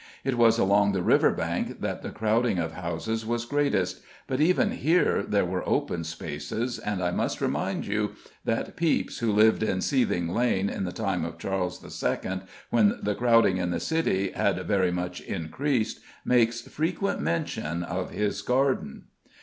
It was along the river bank that the crowding of houses was greatest, but even here there were open spaces; and I must remind you that Pepys, who lived in Seething Lane in the time of Charles II., when the crowding in the City had very much increased, makes frequent mention of his garden.